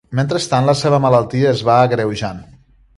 Mentrestant, la seva malaltia es va agreujant.